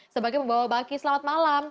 sebagai pembawa baki selamat malam